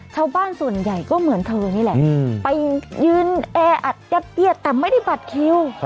ชาวบ้านส่วนใหญ่ก็เหมือนเธอนี่แหละไปยืนแออัดยัดเยียดแต่ไม่ได้บัตรคิว